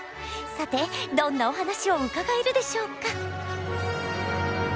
さてどんなお話を伺えるでしょうか。